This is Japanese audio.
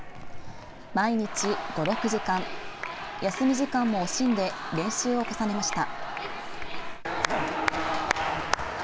毎日５６時間休み時間も惜しんで練習を重ねました。